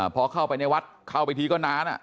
พอเข้าไปในวัดเข้าไปทีก็นาน